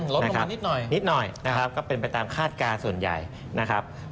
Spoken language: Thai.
ลดลงมานิดหน่อยนะครับเป็นไปตามคาดการณ์ส่วนใหญ่นะครับนิดหน่อย